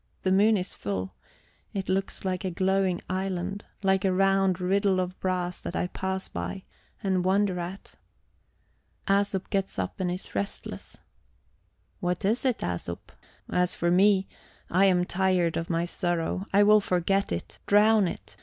The moon is full; it looks like a glowing island, like a round riddle of brass that I pass by and wonder at. Æsop gets up and is restless. "What is it, Æsop? As for me, I am tired of my sorrow; I will forget it, drown it.